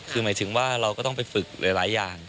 คือหมายถึงว่าเราก็ต้องไปฝึกหลายอย่าง